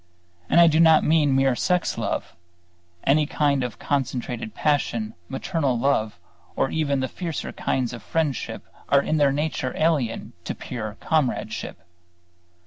And I do not mean mere sex love; any kind of concentrated passion, maternal love, or even the fiercer kinds of friendship are in their nature alien to pure comradeship.